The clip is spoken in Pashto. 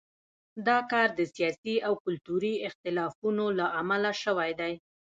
دا کار د سیاسي او کلتوري اختلافونو له امله شوی دی.